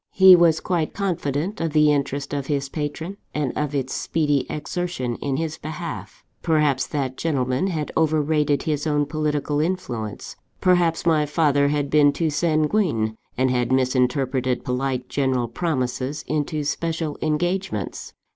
He was quite confident of the interest of his patron, and of its speedy exertion in his behalf. Perhaps, that gentleman had overrated his own political influence; perhaps, my father had been too sanguine, and had misinterpreted polite general promises into special engagements.